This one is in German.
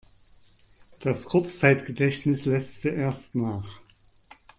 Das Kurzzeitgedächtnis lässt zuerst nach.